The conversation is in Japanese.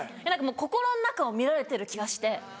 心の中を見られてる気がして。